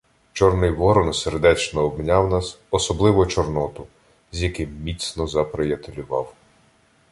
Чорний Ворон сердечно обняв нас, особливо — Чорноту, з яким міцно заприятелював.